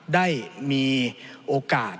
ได้มีโอกาส